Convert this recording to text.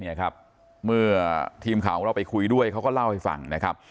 เนี่ยครับเมื่อทีมข่าวของเราไปคุยด้วยเขาก็เล่าให้ฟังนะครับ